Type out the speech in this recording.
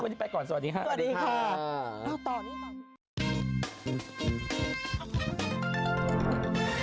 วันนี้ไปก่อนสวัสดีค่ะสวัสดีค่ะสวัสดีค่ะ